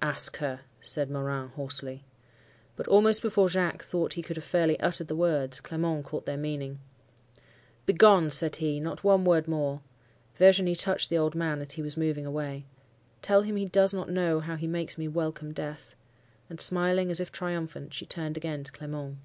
"'Ask her!' said Morin, hoarsely. "But almost before Jacques thought he could have fairly uttered the words, Clement caught their meaning. "'Begone!' said he; 'not one word more.' Virginie touched the old man as he was moving away. 'Tell him he does not know how he makes me welcome death.' And smiling, as if triumphant, she turned again to Clement.